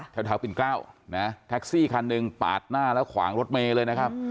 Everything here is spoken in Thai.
ปิ่นเกล้านะแท็กซี่คันหนึ่งปาดหน้าแล้วขวางรถเมย์เลยนะครับ